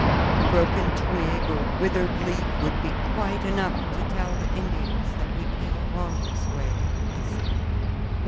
"A broken twig or withered leaf would be quite enough to tell the Indians that we came along this way," he said.